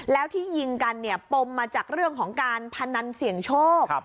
แล้วที่ยิงกันเนี่ยปมมาจากเรื่องของการพนันเสี่ยงโชค